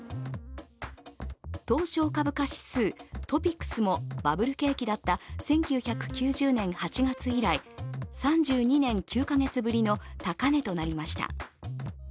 東証株価指数＝ＴＯＰＩＸもバブル景気だった１９９０年８月以来、３２年９か月ぶりの高値となりました。